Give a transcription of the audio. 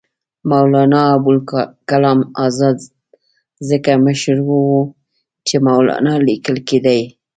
مولنا ابوالکلام آزاد ځکه مشر وو چې مولنا لیکل کېدی.